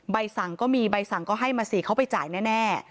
ใบสั่งก็มีใบสั่งก็ให้มาสิเขาไปจ่ายแน่